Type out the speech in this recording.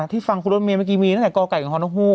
ฟังคุณรถเมย์เมื่อกี้มีตั้งแต่กไก่กับฮนกฮูก